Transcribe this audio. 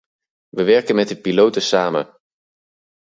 We werken met de piloten samen.